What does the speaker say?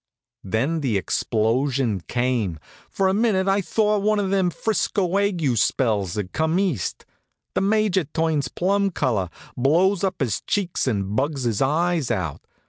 Then the explosion came. For a minute I thought one of them 'Frisco ague spells had come east. The Major turns plum color, blows up his cheeks, and bugs his eyes out.